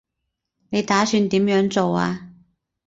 你打算點樣做啊